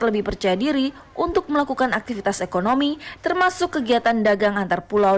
lebih percaya diri untuk melakukan aktivitas ekonomi termasuk kegiatan dagang antar pulau